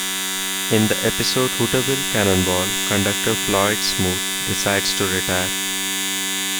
In the episode, "Hooterville Cannonball" conductor Floyd Smoot decides to retire.